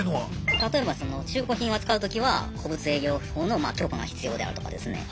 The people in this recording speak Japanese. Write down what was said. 例えば中古品を扱うときは古物営業法の許可が必要であるとかですね